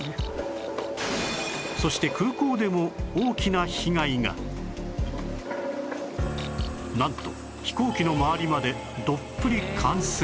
そしてなんと飛行機の周りまでどっぷり冠水